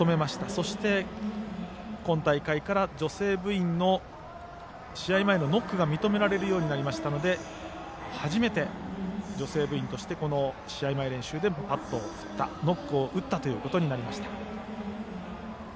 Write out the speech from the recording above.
そして今大会から、女性部員の試合前のノックが認められるようになりましたので初めて女性部員としてこの試合前練習でバットを振りノックを打ったことになりました。